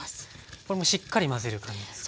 これもうしっかり混ぜる感じですか？